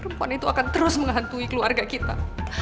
perempuan itu akan terus menghantui keluarga kita